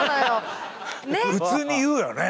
普通に言うよね。